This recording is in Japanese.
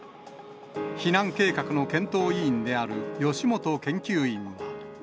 避難計画の検討委員である吉本研究員は。